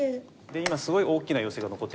今すごい大きなヨセが残ってるんですよね。